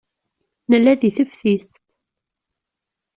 Nella deg teftist.